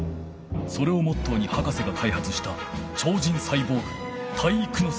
それをモットーに博士がかいはつしたちょう人サイボーグ体育ノ介。